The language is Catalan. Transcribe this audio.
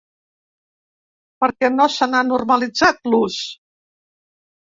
Per què no se n’ha normalitzat l’ús?